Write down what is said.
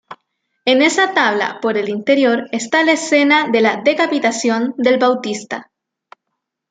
En esa tabla por el interior está la escena de la decapitación del Bautista.